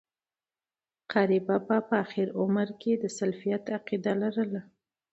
قاري بابا په آخري عمر کي د سلفيت عقيده لرله